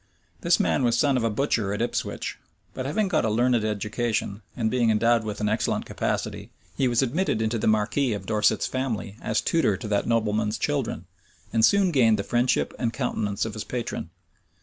This man was son of a butcher at Ipswich; but having got a learned education, and being endowed with an excellent capacity, he was admitted into the marquis of Dorset's family as tutor to that nobleman's children, and soon gained the friendship and countenance of his patron.